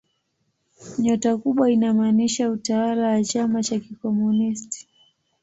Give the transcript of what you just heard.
Nyota kubwa inamaanisha utawala wa chama cha kikomunisti.